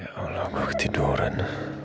ya allah gue ketiduran